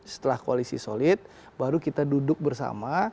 setelah koalisi solid baru kita duduk bersama